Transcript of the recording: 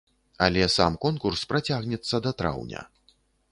Але сам конкурс працягнецца да траўня.